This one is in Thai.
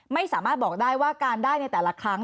ไม่สามารถบอกได้ว่าการได้ในแต่ละครั้ง